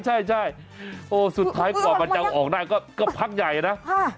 ใช่โอ้สุดท้ายกว่ามันจะออกได้ก็พักใหญ่นะ